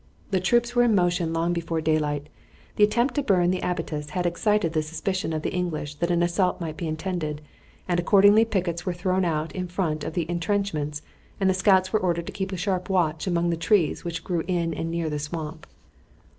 The troops were in motion long before daylight. The attempt to burn the abattis had excited the suspicion of the English that an assault might be intended, and accordingly pickets were thrown out in front of the intrenchments and the scouts were ordered to keep a sharp watch among the trees which grew in and near the swamp.